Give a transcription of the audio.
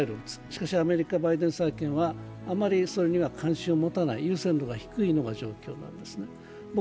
しかしアメリカ、バイデン政権はあまりそれには関心を持たない、優先度が低い状況なんですね。